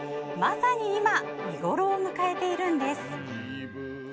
まさに今見頃を迎えているんです。